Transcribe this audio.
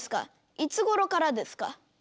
いつごろからですか？」。